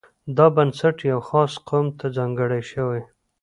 دا بنسټ یوه خاص قوم ته ځانګړی شوی.